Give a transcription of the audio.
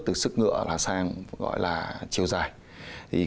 từ sức ngựa sang chiều dài